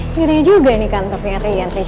gak ada halnya loh kantornya ku yang riset